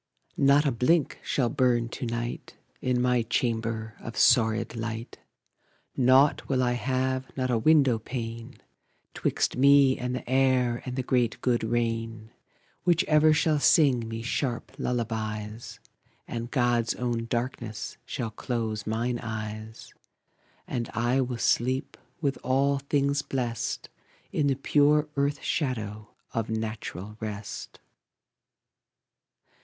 Not a blink shall burn to night In my chamber, of sordid light; Nought will I have, not a window pane, 'Twixt me and the air and the great good rain, Which ever shall sing me sharp lullabies; And God's own darkness shall close mine eyes; And I will sleep, with all things blest, In the pure earth shadow of natural rest.